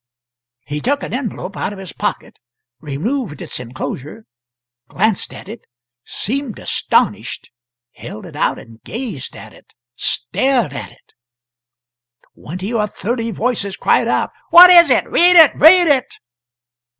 He took an envelope out of his pocket, removed its enclosure, glanced at it seemed astonished held it out and gazed at it stared at it. Twenty or thirty voices cried out "What is it? Read it! read it!"